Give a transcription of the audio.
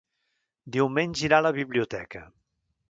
Diumenge irà a la biblioteca.